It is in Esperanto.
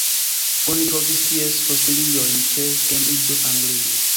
Oni trovis ties fosiliojn ĉe Kembriĝo, Anglio.